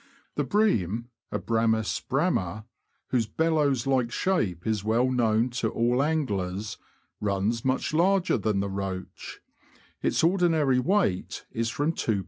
The Bream [Abramts bramd), whose bellows like shape is well known to all anglers, runs much larger than the roach ; its ordinary weight is from 2lb.